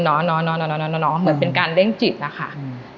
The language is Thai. หนอหนอหนอหนอหนอหนอเหมือนเป็นการเร่งจิตอะค่ะอืม